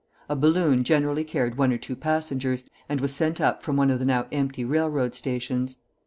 A balloon generally carried one or two passengers, and was sent up from one of the now empty railroad stations.